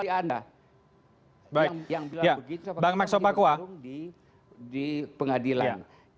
yang bilang begitu sebelum di pengadilan